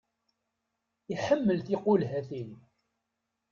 Iḥemmel tiqulhatin.